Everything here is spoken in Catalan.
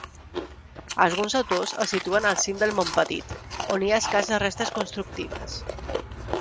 Alguns autors el situen al cim del Montpetit, on hi ha escasses restes constructives.